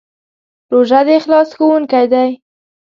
روژه د اخلاص ښوونکی دی.